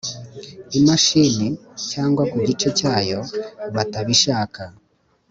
imashini cyangwa ku gice cyayo batabishaka